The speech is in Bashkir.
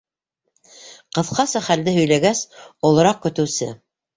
Ҡыҫҡаса хәлде һөйләгәс, олораҡ көтөүсе: